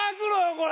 これ。